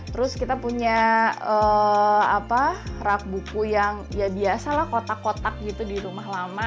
terus kita punya rak buku yang ya biasa lah kotak kotak gitu di rumah lama